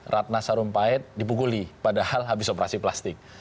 ratna sarumpait dipukuli padahal habis operasi plastik